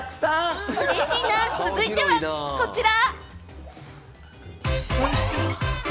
続いてはこちら。